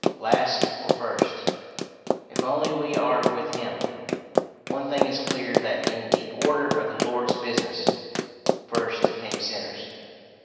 Last or first if only we are with him! One thing is clear that in the order of the Lord's business, first came sinners.